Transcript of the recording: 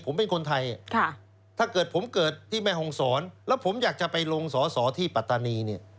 ผมเป็นคนไทยถ้าเกิดผมเกิดที่แม่ห้องศรแล้วผมอยากจะไปลงสอสอที่ปัตตานีเนี่ย